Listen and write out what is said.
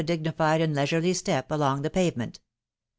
riigniflai and leisurely step along the pavement.